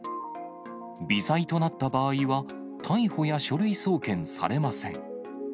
微罪となった場合は、逮捕や書類送検されません。